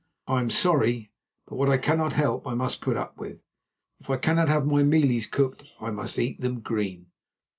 I am sorry, but what I cannot help I must put up with. If I cannot have my mealies cooked, I must eat them green.